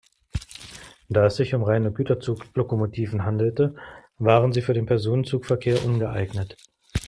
Da es sich um reine Güterzuglokomotiven handelte, waren sie für den Personenzugverkehr ungeeignet.